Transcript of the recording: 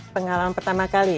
pengalaman pertama kali